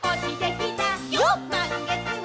「まんげつだ！」